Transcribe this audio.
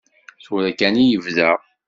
Tura kan i yebda.